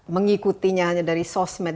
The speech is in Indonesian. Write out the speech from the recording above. mengikutinya dari sosmed